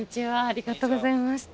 ありがとうございます。